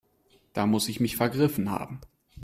Da muss ich mich vergriffen haben.